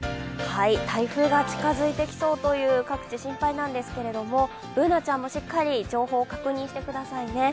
台風が近づいてきそうという各地、心配なんですけどＢｏｏｎａちゃんもしっかり情報を確認してくださいね。